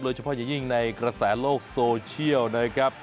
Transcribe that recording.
เฉพาะอย่างยิ่งในกระแสโลกโซเชียลนะครับ